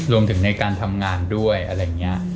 รวมถึงในการทำงานด้วยอะไรอย่างนี้